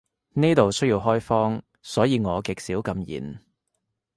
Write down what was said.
呢度需要開荒，所以我極少禁言